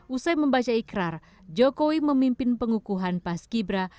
usai membaca ikrar jokowi memimpin pengukuhan pas kibra